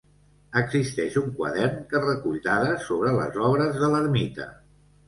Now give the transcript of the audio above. Existeix un quadern que recull dades sobre les obres de l'Ermita.